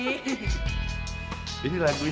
ipi denger aja dulu pih